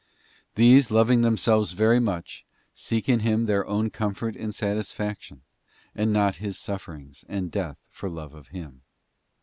These, loving themselves very much, seek in Him their own comfort and satisfaction, and not His sufferings and death for love of Him.